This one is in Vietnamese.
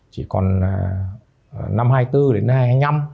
chỉ còn năm hai nghìn hai mươi bốn đến hai nghìn hai mươi năm